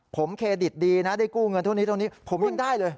ผมเครดิตดีนะได้กู้เงินเท่านี้เท่านี้ผมยังได้เลย